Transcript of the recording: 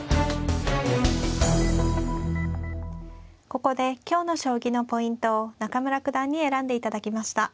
ここで今日の将棋のポイントを中村九段に選んでいただきました。